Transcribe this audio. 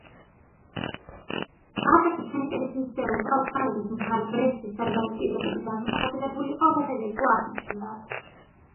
აკაკი ჩხენკელის მცდელობა, ოსმალეთის მხარე ბრესტის საზავო პირობებით დაკმაყოფილებულიყო, უშედეგო აღმოჩნდა.